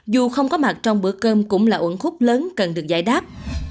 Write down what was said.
dù không có mặt trong bữa cơm cũng là uẩn khúc lớn cần được giải đáp